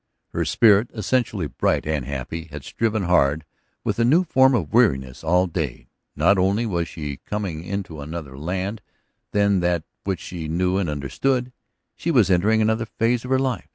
Her spirit, essentially bright and happy, had striven hard with a new form of weariness all day. Not only was she coming into another land than that which she knew and understood, she was entering another phase of her life.